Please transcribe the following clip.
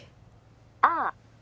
☎ああ